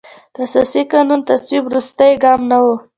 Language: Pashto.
د اساسي قانون تصویب وروستی ګام نه و.